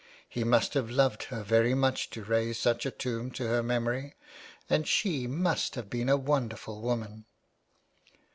He must have loved her very much to raise such a tomb to her memory, and she must have been a wonderful woman."